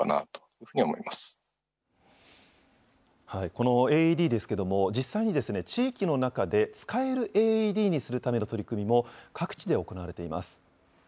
このＡＥＤですけれども、実際に地域の中で使えるＡＥＤにするための取り組みも各地で行われています。